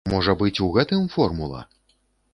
Можа быць, у гэтым формула?